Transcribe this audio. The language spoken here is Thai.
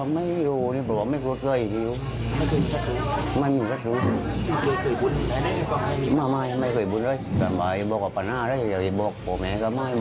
ไม่เห็นว่าเรื่องนี้ไม่เคยเหล้าอย่างเกิน